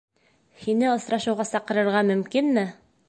Һине осрашыуға саҡырырға мөмкинме?